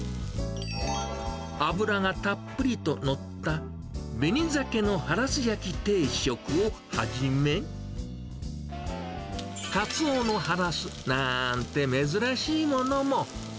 脂がたっぷりと乗った、紅ザケのハラス焼き定食をはじめ、カツオのハラスなんて珍しいものも。